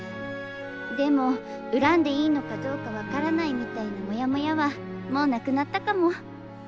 でも恨んでいいのかどうか分からないみたいなモヤモヤはもうなくなったかも。